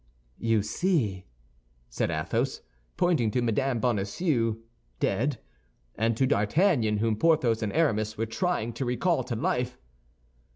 "You see!" said Athos, pointing to Mme. Bonacieux dead, and to D'Artagnan, whom Porthos and Aramis were trying to recall to life.